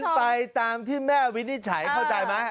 ไปตามที่แม่วินิจฉัยเข้าใจไหม